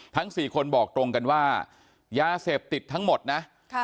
ทั้ง๔คนบอกตรงกันว่ายาเสพติดทั้งหมดนะ